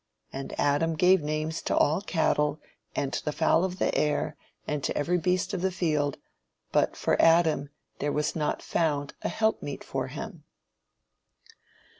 "And Adam gave names to all cattle, and to the fowl of the air, and to every beast of the field; but for Adam there was not found an helpmeet for him."